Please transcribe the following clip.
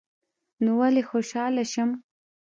نو ولي خوشحاله شم